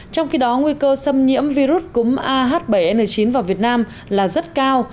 trong khi đó nguy cơ xâm nhiễm virus cúm ah bảy n chín vào việt nam là rất cao